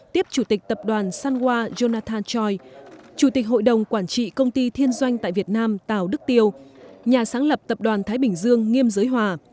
tiếp chủ tịch tập đoàn sunwa jonathan choi chủ tịch hội đồng quản trị công ty thiên doanh tại việt nam tào đức tiêu nhà sáng lập tập đoàn thái bình dương nghiêm giới hòa